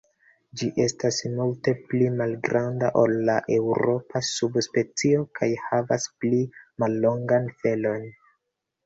Ĝi estas multe pli malgranda ol la eŭropa sub-speco kaj havas pli mallongan felon.